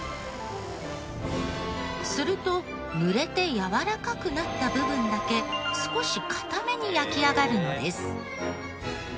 するとぬれてやわらかくなった部分だけ少し硬めに焼き上がるのです。